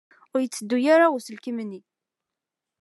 Ur yetteddu ara uselkim-nni.